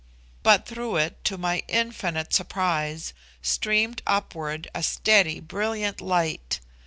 But through it, to my infinite surprise, streamed upward a steady brilliant light.